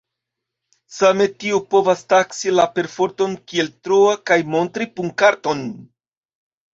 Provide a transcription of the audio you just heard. Same tiu povas taksi la perforton kiel troa kaj montri punkarton.